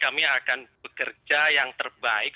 kami akan bekerja yang terbaik